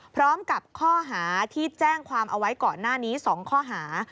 พร้อมกับข้อหาที่แจ้งความเอาไว้ก่อนหน้านี้๒ข้อหา